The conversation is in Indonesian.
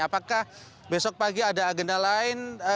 apakah besok pagi ada agenda lain